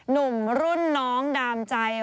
หนุ่มรุ่นน้องดามใจ